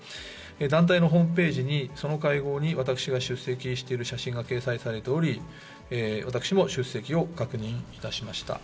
団体のホームページに、その会合に私が出席している写真が掲載されており、私も出席を確認いたしました。